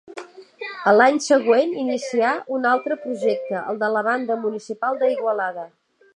A l'any següent inicià un altre projecte, el de la Banda Municipal d'Igualada.